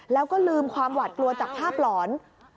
แล้วก็ลืมความหวาดกลัวจากภาพหลอน